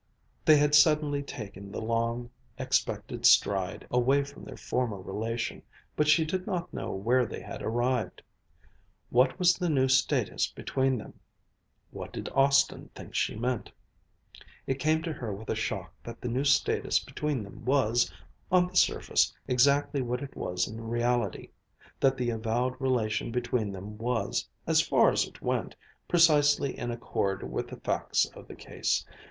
They had suddenly taken the long expected stride away from their former relation, but she did not know where they had arrived. What was the new status between them? What did Austin think she meant? It came to her with a shock that the new status between them was, on the surface, exactly what it was in reality; that the avowed relation between them was, as far as it went, precisely in accord with the facts of the case.